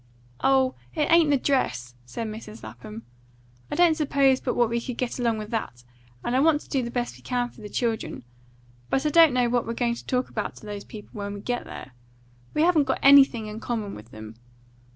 "Oh, it ain't the dress!" said Mrs. Lapham. "I don't suppose but what we could get along with that; and I want to do the best we can for the children; but I don't know what we're going to talk about to those people when we get there. We haven't got anything in common with them.